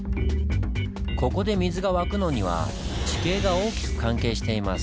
ここで水が湧くのには地形が大きく関係しています。